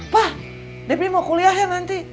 pak debbie mau kuliah ya nanti